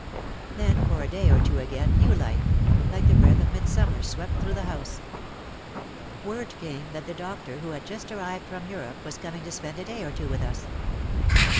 Then for a day or two again new life, like the breath of midsummer, swept through the house. Word came that the doctor, who had just arrived from Europe, was coming to spend a day or two with us.